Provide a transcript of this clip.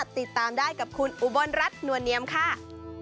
ติดตามได้กับคุณอุบลรัฐนวลเนียมค่ะ